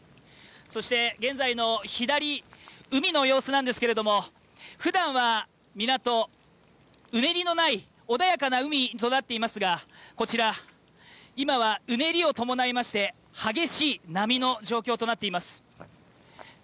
そして、現在の左、海の様子なんですけれどもふだんは港、うねりのない穏やかな海となっていますがこちら、今はうねりを伴いまして激しい波の状況となっています。